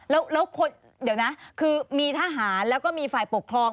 แล้วเดี๋ยวนะคือมีทหารแล้วก็มีฝ่ายปกครอง